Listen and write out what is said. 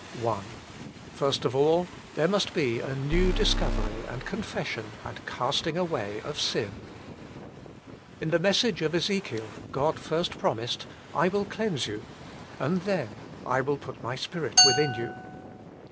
I First of all, there must be a new discovery and confession and casting away of sin. In the message of Ezeldel, God first promised :" I will cleanse you," and then :" I will put My Spirit within you."